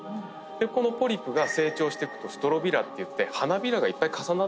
このポリプが成長してくとストロビラっていって花びらがいっぱい重なったような姿になる。